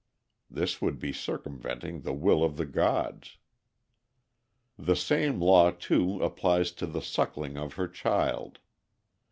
This would be circumventing the will of the gods. The same law, too, applies to the suckling of her child.